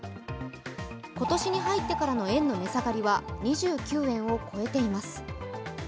今年に入ってからの円の値下がりは２９円を超えています。